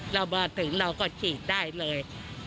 เรามาถึงเราก็ฉีดได้เลย